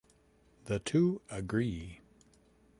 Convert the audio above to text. The two agree.